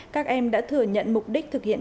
các em đã thừa nhận mục đích thực hiện